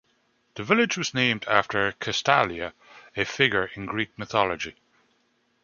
The village was named after Castalia, a figure in Greek mythology.